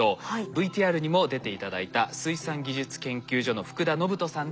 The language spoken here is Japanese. ＶＴＲにも出て頂いた水産技術研究所の福田野歩人さんです。